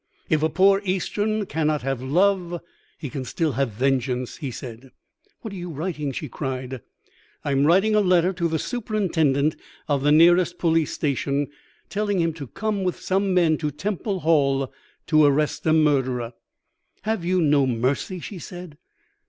'If a poor Eastern cannot have love, he can still have vengeance,' he said. "'What are you writing?' she cried. "'I am writing a letter to the superintendent of the nearest police station, telling him to come with some men to Temple Hall to arrest a murderer.' "'Have you no mercy?' she said.